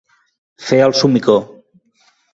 Fer el somicó.